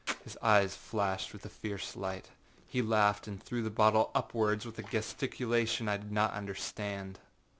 His eyes flashed with a fierce light. He laughed and threw the bottle upwards with a gesticulation I did not understand.